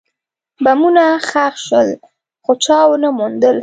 بمونه ښخ شول، خو چا ونه موندل.